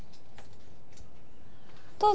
どうぞ。